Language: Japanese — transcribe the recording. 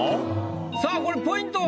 さあこれポイントは？